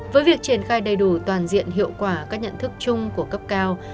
với việc triển khai đầy đủ toàn diện hiệu quả các nhận thức chung của cấp cao